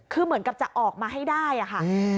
คือเหมือนกับจะออกมาให้ได้อะค่ะ